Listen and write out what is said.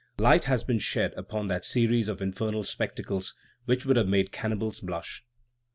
Light has been shed upon that series of infernal spectacles which would have made cannibals blush.